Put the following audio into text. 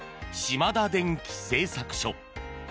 島田電機製作所。